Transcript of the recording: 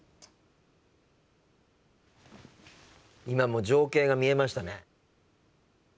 今もう情景が見えましたね。